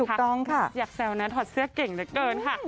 ถูกต้องค่ะอยากแซวนะถอดเสื้อเก่งเหลือเกินค่ะ